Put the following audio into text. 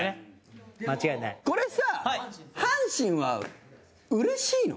これさ阪神は、うれしいの？